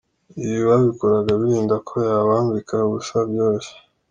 Ibi babikoraga birinda ko yabambika ubusa byoroshye.